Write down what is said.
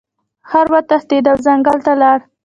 خر وتښتید او ځنګل ته لاړ.